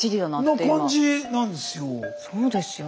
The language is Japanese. そうですよね。